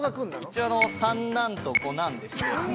・一応三男と五男ですね